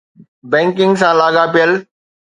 Banking سان لاڳاپيل.